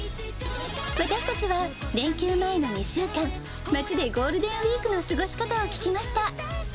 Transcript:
私たちは連休前の２週間、街でゴールデンウィークの過ごし方を聞きました。